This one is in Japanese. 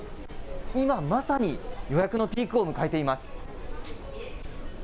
今まさに予約のピークを迎えています。